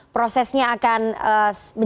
prosesnya akan menjadi seperti apa